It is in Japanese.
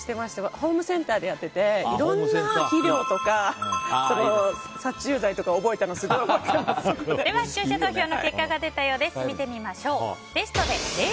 ホームセンターでやってていろんな肥料とか殺虫剤とか覚えたのでは、視聴者投票の結果を見てみましょう。